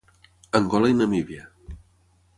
Angola i Namíbia.